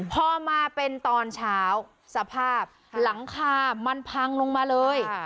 พอมาเป็นตอนเช้าสภาพหลังคามันพังลงมาเลย